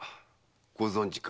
ご存じか？